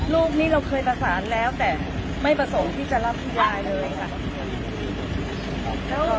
ลูกนี้เราเคยประสานแล้วแต่ไม่ประสงค์ที่จะรับคุณยายเลยค่ะ